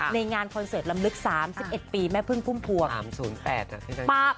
งานคอนเสิร์ตลำลึก๓๑ปีแม่พึ่งพุ่มพวง๓๐๘